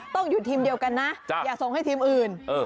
ต้องหยุดทีมเดียวกันนะอย่าส่งให้ทีมอื่น